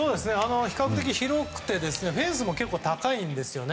比較的広くてフェンスも結構高いんですよね。